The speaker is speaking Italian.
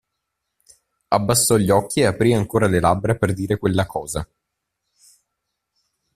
Abbassò gli occhi e aprì ancora le labbra per dire quella cosa.